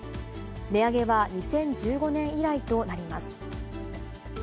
値上げは２０１５年以来となります。